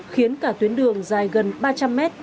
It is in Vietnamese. khiến cả tuyến đường dài gần ba trăm linh mét